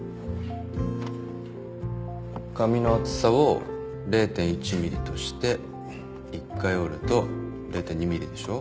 紙の厚さを０．１ｍｍとして１回折ると０．２ｍｍでしょ。